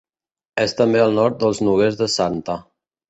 És també al nord dels Noguers de Santa.